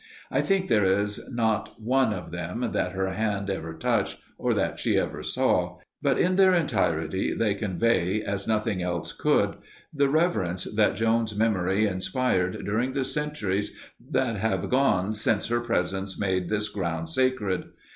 I think there is not one of them that her hand ever touched, or that she ever saw, but in their entirety they convey, as nothing else could, the reverence that Joan's memory inspired during the centuries that have gone since her presence made this ground sacred.